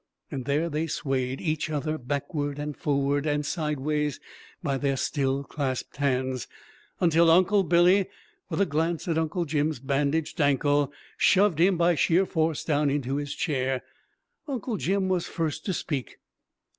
There they swayed each other backwards and forwards and sideways by their still clasped hands, until Uncle Billy, with a glance at Uncle Jim's bandaged ankle, shoved him by sheer force down into his chair. Uncle Jim was first to speak.